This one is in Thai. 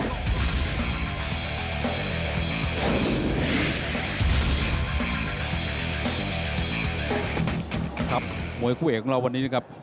ครับมวยคู่เอกของเราวันนี้นะครับ